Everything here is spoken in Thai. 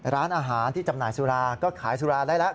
ร้านอาหารที่จำหน่ายสุราก็ขายสุราได้แล้ว